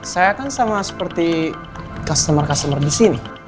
saya kan sama seperti customer customer di sini